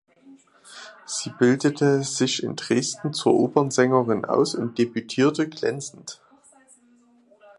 Sie bildete sich in Dresden zur Opernsängerin aus und debütierte glänzend.